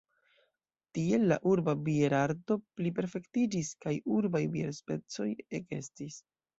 Tiel la urba bierarto pliperfektiĝis kaj urbaj bierspecoj ekestis.